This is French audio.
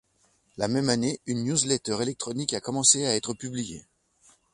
La même année, une newsletter électronique a commencé à être publiée.